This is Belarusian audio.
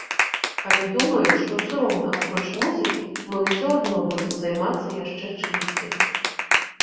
Але думаю, што ўсё роўна апроч музыкі мы ўсё адно будзем займацца яшчэ чымсьці.